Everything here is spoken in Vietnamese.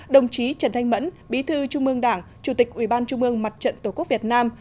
đồng chí trần thanh mẫn bí thư trung ương đảng chủ tịch ủy ban trung ương mặt trận tổ quốc việt nam